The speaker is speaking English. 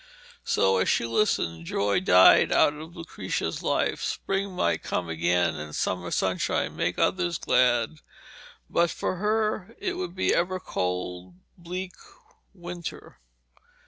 So, as she listened, joy died out of Lucrezia's life. Spring might come again, and summer sunshine make others glad, but for her it would be ever cold, bleak winter.